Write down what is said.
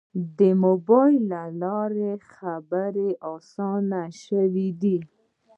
د موبایل له لارې خبرې آسانه شوې دي.